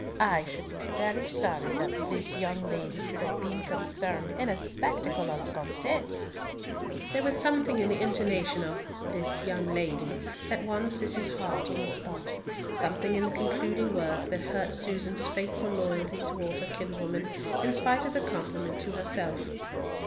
I should be very sorry that this young lady should have been concerned in a spectacle a la comtesse." There was something in the intonation of "this young lady" that won Cis's heart on the spot, something in the concluding words that hurt Susan's faithful loyalty towards her kinswoman, in spite of the compliment to herself.